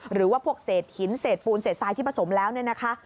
หรือว่าพวกเศษหินเศษปูนเศษทรายที่ผสมแล้วเนี่ยนะคะ